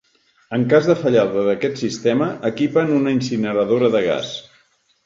En cas de fallada d'aquest sistema equipen una incineradora de gas.